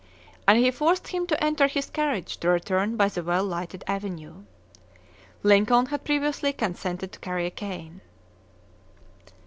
And he forced him to enter his carriage to return by the well lighted avenue. Lincoln had previously consented to carry a cane.